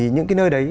những cái nơi đấy